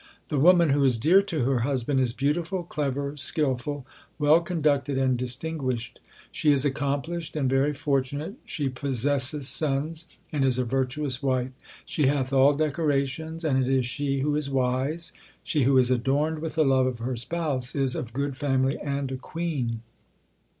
The woman who is dear to her husband, is beautiful, clever, skilful, Well conducted, and distinguished : She is accomplished, and very fortunate ; She possesseth sons and is a virtuous wife ; She hath all decorations, and it is she who is wise. She who is adorned with the love of her Spouse, is of good family and a queen.